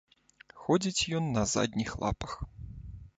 Ходзіць ён на задніх лапах.